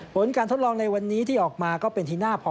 ผลการทดลองในวันนี้ที่ออกมาก็เป็นที่น่าพอ